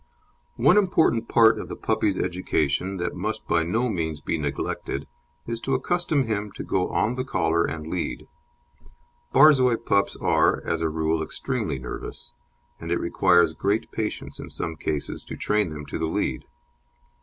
One important part of the puppy's education that must by no means be neglected is to accustom him to go on the collar and lead. Borzoi pups are, as a rule extremely nervous, and it requires great patience in some cases to train them to the lead.